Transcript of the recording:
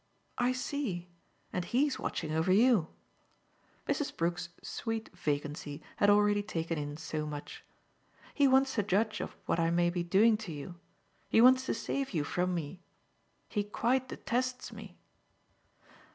"I see and he's watching over you." Mrs. Brook's sweet vacancy had already taken in so much. "He wants to judge of what I may be doing to you he wants to save you from me. He quite detests me."